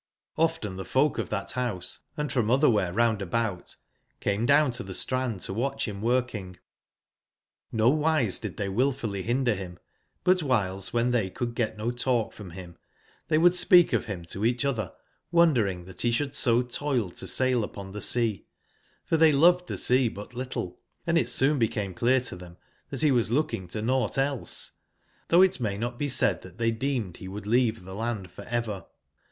Often tbe folk of that house, and from otherwhere round about, came down to the strand to watch him working. ]Vo wise did they wilfully binder him, but whiles when they could get no talk from him, they would speak of him to each other, won Mering that be should so toil to sail upon tbe sea; for they loved the sea but little, and it soon became clear to them that he was looking to nought else: though it may not besaid that they deemed he would leave the land for ever.